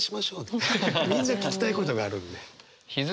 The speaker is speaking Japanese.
みんな聞きたいことがあるんで。